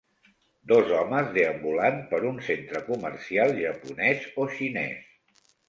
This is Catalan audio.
Dos homes deambulant per un centre comercial japonès o xinés.